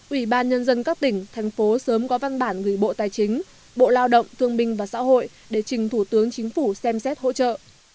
ủy ban nhân dân các tỉnh thành phố sớm có văn bản gửi bộ tài chính bộ lao động thương binh và xã hội để trình thủ tướng chính phủ xem xét hỗ trợ